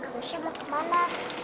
masya mau kemana